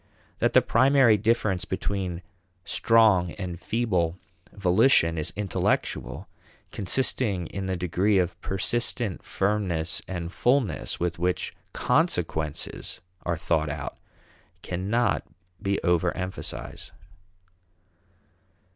That the primary difference between strong and feeble volition is intellectual, consisting in the degree of persistent firmness and fullness with which consequences are thought out, cannot be over emphasized.